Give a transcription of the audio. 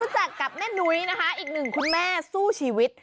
แจกกับแม่นุ้ยนะคะอีกหนึ่งคุณแม่สู้ชีวิต